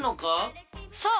そう！